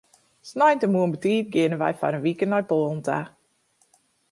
Sneintemoarn betiid geane wy foar in wike nei Poalen ta.